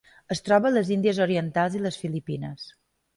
Es troba a les Índies Orientals i les Filipines.